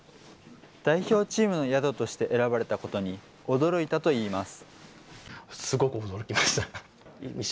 代表チームの宿として選ばれたことに驚いたといいます。